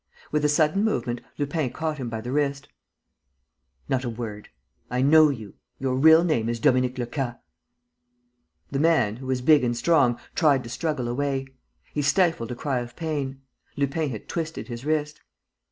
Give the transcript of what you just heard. With a sudden movement, Lupin caught him by the wrist: "Not a word. ... I know you. ... Your real name is Dominique Lecas!" The man, who was big and strong, tried to struggle away. He stifled a cry of pain: Lupin had twisted his wrist.